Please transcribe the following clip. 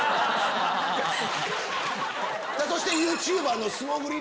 そしてＹｏｕＴｕｂｅｒの。